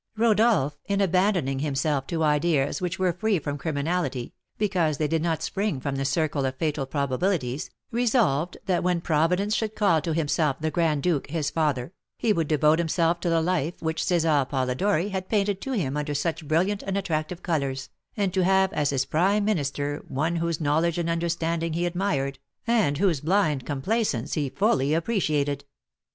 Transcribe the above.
Rodolph, in abandoning himself to ideas which were free from criminality, because they did not spring from the circle of fatal probabilities, resolved that when Providence should call to himself the Grand Duke, his father, he would devote himself to the life which César Polidori had painted to him under such brilliant and attractive colours, and to have as his prime minister one whose knowledge and understanding he admired, and whose blind complaisance he fully appreciated.